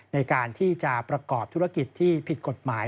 ในการที่จะประกอบธุรกิจที่ผิดกฎหมาย